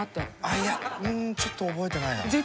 いやうんちょっと覚えてないなあ。